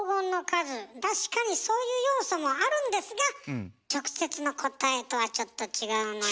確かにそういう要素もあるんですが直接の答えとはちょっと違うのよ。